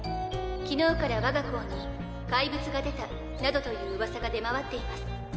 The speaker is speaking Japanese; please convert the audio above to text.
昨日からわが校に怪物が出たなどといううわさが出回っています」